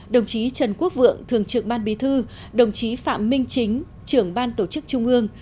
đồng chí trần quốc vượng thường trực ban bí thư đồng chí phạm minh chính trưởng ban tổ chức trung ương